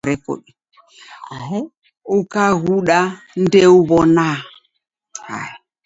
Ukaghuda ndeuw'onaa